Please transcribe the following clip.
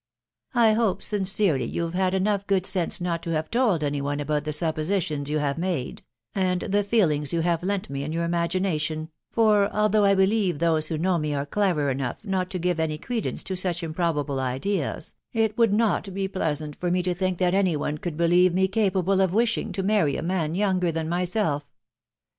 hope sincerely you have had enough good sense not to have told any one about the suppositions you have made, and the feelings you have lent me in your imagi nation, for, although I believe those who know me are clever enough not to give any credence to such improb able ideas, it would not be pleasant for me to think that any one could believe me capable of wishing to marry a man younger than myself.